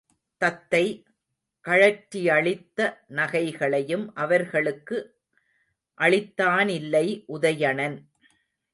தத்தை கழற்றியளித்த நகைகளையும் அவர்களுக்கு அளித்தானில்லை உதயணன்.